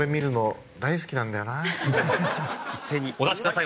一斉にお出しください。